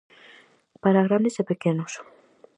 Para grandes e pequenos.